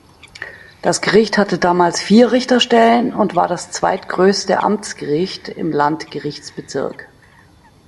Das Gericht hatte damals vier Richterstellen und war das zweitgrößte Amtsgericht im Landgerichtsbezirk.